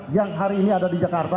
yang hari ini ada di jakarta